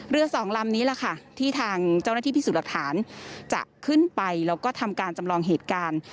สองลำนี้แหละค่ะที่ทางเจ้าหน้าที่พิสูจน์หลักฐานจะขึ้นไปแล้วก็ทำการจำลองเหตุการณ์